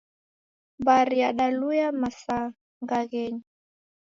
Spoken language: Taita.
Mbari yadaluya msangaghenyi.